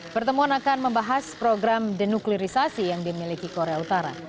pertemuan akan membahas program denuklirisasi yang dimiliki korea utara